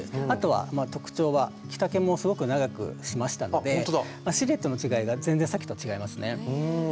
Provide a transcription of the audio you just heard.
あとはまあ特徴は着丈もすごく長くしましたのでシルエットの違いが全然さっきと違いますね。